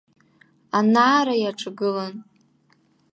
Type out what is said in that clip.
Анаара иаҿагылан.